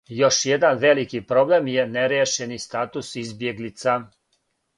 Још један велики проблем је неријешени статус избјеглица.